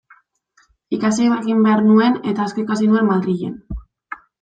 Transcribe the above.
Ikasi egin behar nuen, eta asko ikasi nuen Madrilen.